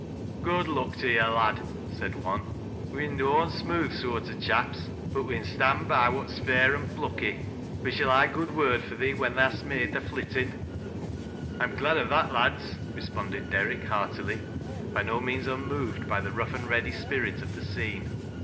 "Good luck to jo\ lad I" said one. "We'n noan amooth soart o' chaps, but we'n stand by what's fair au' plucky. We shal', ha' a good word fur thee when ths hast made thy flittin'." " I'm glad of tJiat lads," responded Derrick, heariily, bj m THE PIT 227 no meaus unmoved by the rough and ready spirit of th« icene.